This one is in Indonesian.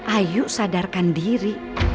ayu sadarkan diri